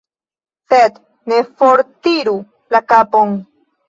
Sed ne fortiru la kapon.